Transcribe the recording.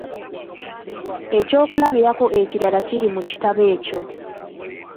Eky'okulabirako ekirala kiri mu kitabo ekyo.